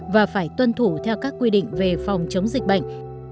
và phải tuân thủ theo các quy định về phòng chống dịch bệnh